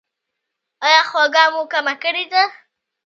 ایا خوږه مو کمه کړې ده؟